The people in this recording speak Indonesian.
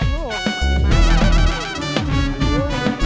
aduh gimana ini